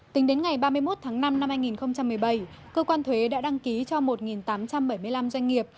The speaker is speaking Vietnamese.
tính đến ngày ba mươi một tháng năm năm hai nghìn một mươi bảy cơ quan thuế đã đăng ký cho một tám trăm bảy mươi năm doanh nghiệp